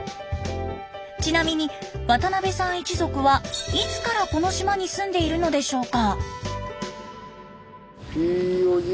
ちなみに渡邊さん一族はいつからこの島に住んでいるのでしょうか。